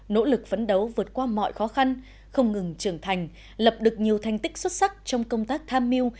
nỗ lực phấn đấu vượt qua mọi khó khăn không ngừng trưởng thành lập được nhiều thành tích xuất sắc trong công tác tham mưu